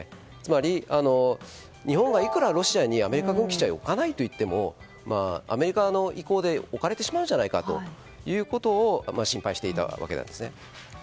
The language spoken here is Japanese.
つまり、日本がいくらロシアにアメリカ軍基地は置かないといってもアメリカの意向で置かれてしまうんじゃないかということを心配していたわけです。